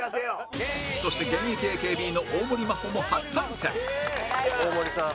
そして現役 ＡＫＢ の大盛真歩も初参戦大盛さん。